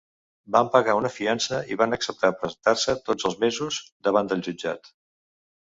Van pagar una fiança i van acceptar presentar-se tots els mesos davant del jutjat.